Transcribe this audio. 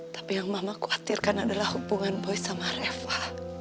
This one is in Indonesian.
tapi yang mama khawatirkan adalah hubungan boy sama reva